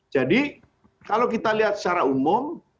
jadi kalau kita lihat secara umum